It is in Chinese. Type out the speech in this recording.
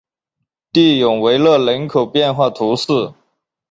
蒂永维勒人口变化图示